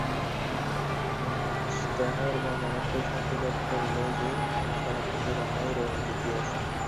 প্রথমেই বলিতে চাই, আমি যাহা কিছু শিক্ষা দিই তাহার ভিতর গোপনীয় কিছুই নাই।